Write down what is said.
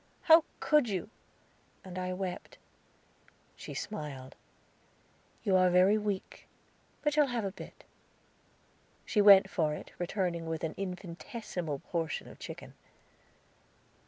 "How could you?" And I wept. She smiled. "You are very weak, but shall have a bit." She went for it, returning with an infinitesimal portion of chicken.